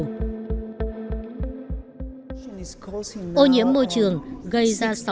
ô nhiễm không khí đang đặt ra những bài toán lan giải cho chính phủ các nước